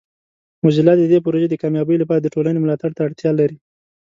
موزیلا د دې پروژې د کامیابۍ لپاره د ټولنې ملاتړ ته اړتیا لري.